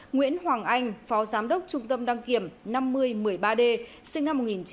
nguyễn hoàng anh phó giám đốc trung tâm đăng kiểm năm mươi một mươi ba d sinh năm một nghìn chín trăm tám mươi